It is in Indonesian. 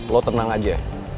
lo tenang aja